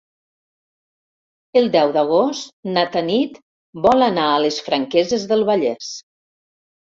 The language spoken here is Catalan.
El deu d'agost na Tanit vol anar a les Franqueses del Vallès.